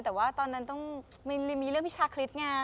แต่ว่าตอนนั้นต้องมีเรื่องวิชาคริสต์ไง